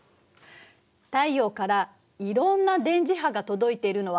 太陽からいろんな電磁波が届いているのは知っているわよね。